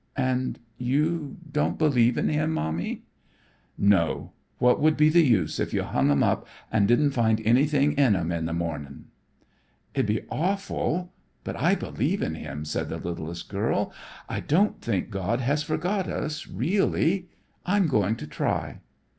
"And you don't believe in Him, Mommy?" "No. What would be the use if you hung 'em up and didn't find anything in 'em in the morning?" "It'd be awful, but I believe in Him," said the littlest girl. "I don't think God has forgot us, really. I'm going to try."